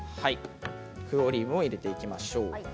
黒オリーブを入れていきましょう。